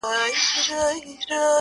څخه چي څه ووايم څنگه درته ووايم چي.